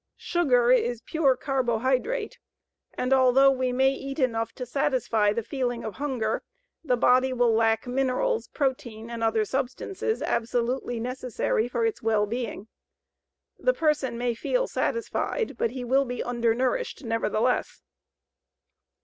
Sugar is pure carbohydrate, and although we may eat enough to satisfy the feeling of hunger the body will lack minerals, protein, and other substances absolutely necessary for its well being. The person may feel satisfied, but he will be undernourished nevertheless.